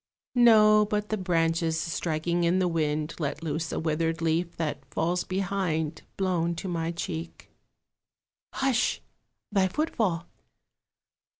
No, but the branches striking in the wind Let loose a withered leaf that falls behind Blown to my cheek. Hush, thy footfall!